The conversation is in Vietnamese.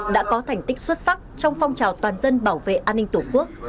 đã có thành tích xuất sắc trong phong trào toàn dân bảo vệ an ninh tổ quốc